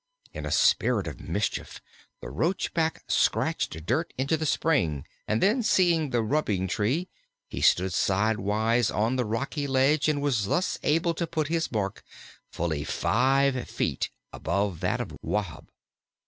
In a spirit of mischief the Roachback scratched dirt into the spring, and then seeing the rubbing tree, he stood sidewise on the rocky ledge, and was thus able to put his mark fully five feet above that of Wahb.